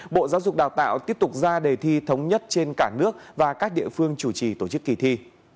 bộ giáo dục đào tạo tiếp tục ra đề thi thống nhất trên cả nước và các địa phương chủ trì tổ chức kỳ thi